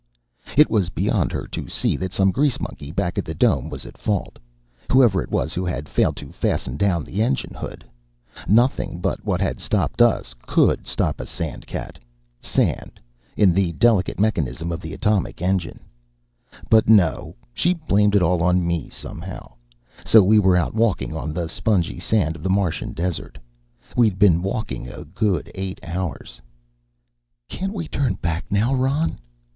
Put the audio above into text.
It was beyond her to see that some grease monkey back at the Dome was at fault whoever it was who had failed to fasten down the engine hood. Nothing but what had stopped us could stop a sandcat: sand in the delicate mechanism of the atomic engine. But no; she blamed it all on me somehow: So we were out walking on the spongy sand of the Martian desert. We'd been walking a good eight hours. "Can't we turn back now, Ron?"